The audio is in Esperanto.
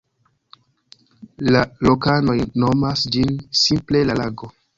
La lokanoj nomas ĝin simple "la lago".